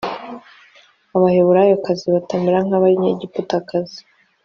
abaheburayokazi batamera nk abanyegiputakazi